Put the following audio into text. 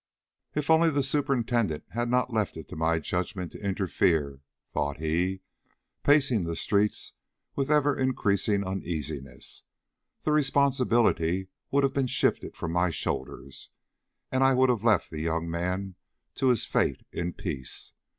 "If only the superintendent had not left it to my judgment to interfere," thought he, pacing the streets with ever increasing uneasiness, "the responsibility would have been shifted from my shoulders, and I would have left the young man to his fate in peace.